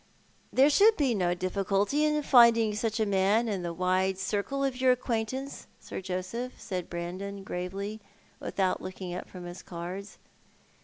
" There should be no difficulty in finding such a man in the wide circle of your acquaintance. Sir Joseph," said Brandon, gravely, without looking up from his cards.